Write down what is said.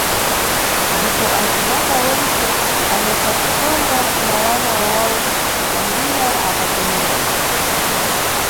Ndipo azibaba wentse ana cakutonga kuna wana wawo kutambira akatemera.